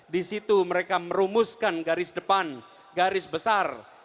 di situ mereka merumuskan garis depan garis besar